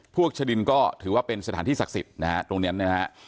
พวกชดินก็ถือว่าเป็นสถานที่ศักดิ์สิทธิ์นะฮะตรงนี้นะฮะ